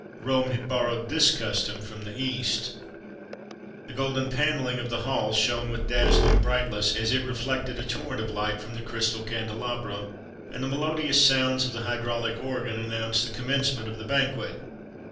Rome had borrowed this custom from the east.[XXXV 23] The golden panelling of the hall shone with dazzling brightness as it reflected a torrent of light from the crystal candelabra,[XXXV 24] and the melodious sounds of the hydraulic organ[XXXV 25] announced the commencement of the banquet.